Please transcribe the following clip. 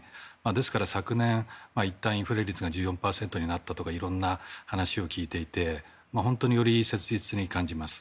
ですから、昨年いったんインフレ率が１４％になったとかいろんな話を聞いていて本当により切実に感じます。